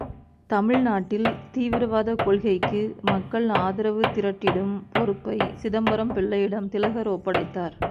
தமிழ்நாட்டில் தீவிரவாத கொள்கைக்கு மக்கள் ஆதரவு திரட்டிடும் பொறுப்பை சிதம்பரம் பிள்ளையிடம் திலகர் ஒப்படைத்தார்.